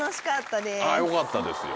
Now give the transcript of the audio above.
よかったですよ。